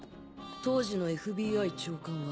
当時のＦＢＩ長官は。